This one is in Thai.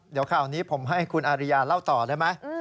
เดี๋ยวข่าวนี้ผมให้คุณอาริยาเล่าต่อได้ไหม